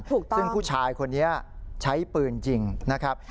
ถูกต้องซึ่งผู้ชายคนนี้ใช้ปืนยิงนะครับ